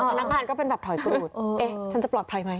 พนักงานก็เป็นแบบถอยปูดเอ๊ะฉันจะปลอดภัยไหม